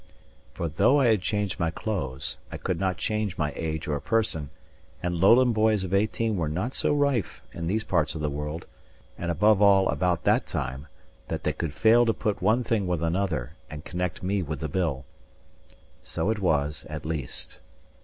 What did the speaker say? For though I had changed my clothes, I could not change my age or person; and Lowland boys of eighteen were not so rife in these parts of the world, and above all about that time, that they could fail to put one thing with another, and connect me with the bill. So it was, at least.